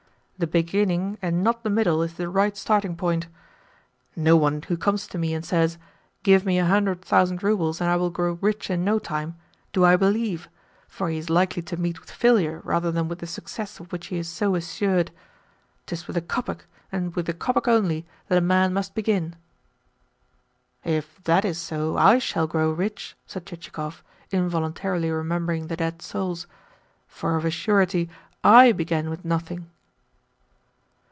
The beginning, and not the middle, is the right starting point. No one who comes to me and says, 'Give me a hundred thousand roubles, and I will grow rich in no time,' do I believe, for he is likely to meet with failure rather than with the success of which he is so assured. 'Tis with a kopeck, and with a kopeck only, that a man must begin." "If that is so, I shall grow rich," said Chichikov, involuntarily remembering the dead souls. "For of a surety I began with nothing."